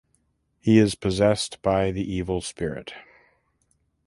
He is possessed by the evil spirit.